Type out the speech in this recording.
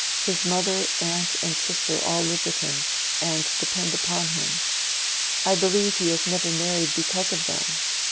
His mother, aunt, and sister all live with him, and depend upon him. I believe he has never married because of them.